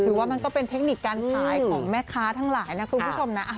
มันก็เป็นเทคนิคการขายของแม่ค้าทั้งหลายนะคุณผู้ชมนะ